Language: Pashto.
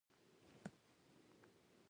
آیا د ځمکې قیمت لوړ دی؟